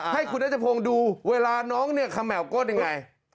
ให้คุณดัชพงศ์ดูเวลาน้องเนี่ยคำแหมวกดยังไง